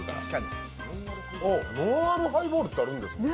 ノンアルハイボールってあるんですね。